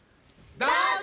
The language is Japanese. どうぞ！